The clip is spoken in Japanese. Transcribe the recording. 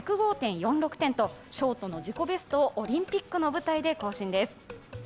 １０５．４６点と自己ベストをオリンピックの舞台で更新です。